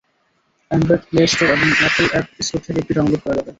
Android play store এবং apple app store থেকে অ্যাপটি ডাউনলোড করা যাবে।